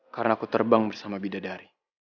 karena aku terbang bersama bidadari